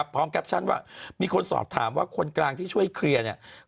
แคปชั่นว่ามีคนสอบถามว่าคนกลางที่ช่วยเคลียร์เนี่ย